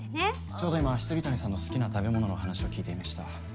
ちょうど今未谷さんの好きな食べ物の話を聞いていました。